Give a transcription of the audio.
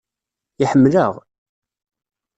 Iḥemmel-aɣ.